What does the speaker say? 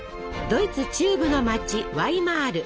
ドイツ中部の街ワイマール。